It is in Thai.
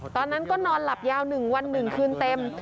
ตอนนั้นก็นอนหลับยาว๑วัน๑คืนเต็ม